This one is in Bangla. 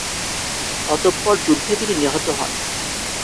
অতঃপর যুদ্ধে তিনি নিহত হন।